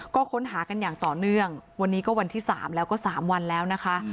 ก็ค้นหากันอย่างต่อเนื่องวันนี้ก็วันที่๓แล้วก็๓วันแล้วนะคะ